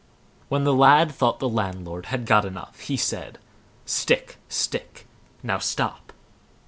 When the lad thought the landlord had got enough, he said: "Stick, stick! now stop!"